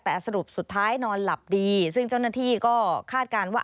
แต่สรุปสุดท้ายนอนหลับดีซึ่งเจ้าหน้าที่ก็คาดการณ์ว่า